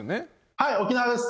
はい沖縄です。